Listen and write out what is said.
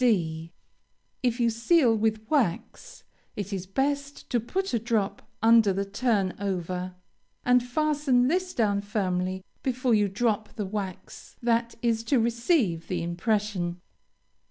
D. If you seal with wax, it is best to put a drop under the turn over, and fasten this down firmly before you drop the wax that is to receive the impression.